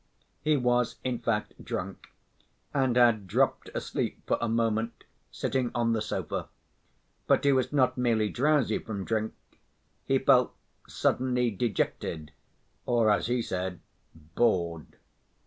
He was, in fact, drunk, and had dropped asleep for a moment, sitting on the sofa. But he was not merely drowsy from drink; he felt suddenly dejected, or, as he said, "bored."